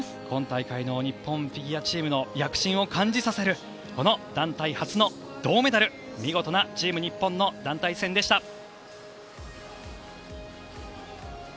今大会日本フィギュアチームの躍進を感じさせるこの団体初の銅メダル見事なチーム日本の団体戦でした。